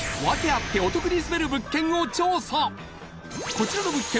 こちらの物件